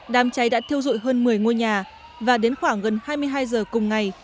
đám cháy đã thiêu dụi hơn một mươi ngôi nhà và đến khoảng gần hai mươi hai giờ cùng ngày